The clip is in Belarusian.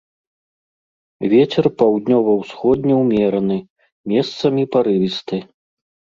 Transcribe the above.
Вецер паўднёва-ўсходні ўмераны, месцамі парывісты.